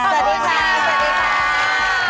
สวัสดีค่ะ